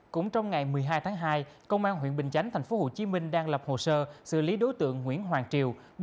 cũng trong ngày một mươi hai tháng hai công an huyện bình chánh tp hcm đang lập hồ sơ xử lý đối tượng nguyễn hoàng triều